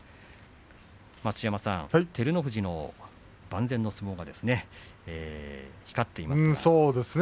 待乳山さん、照ノ富士万全の相撲ですね光っていますね。